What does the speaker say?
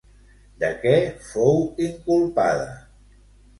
De què fou inculpada?